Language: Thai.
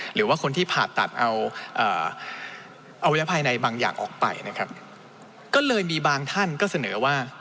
หรือว่าคนที่ผ่าตัดเอาอวัยภายในบางอย่างออกไปนะครับก็เลยมีบางท่านก็เสนอว่า